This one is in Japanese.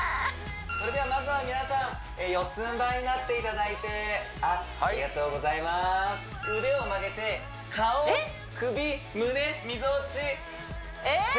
それではまずは皆さん四つんばいになっていただいてあっありがとうございます腕を曲げて顔首胸みぞおち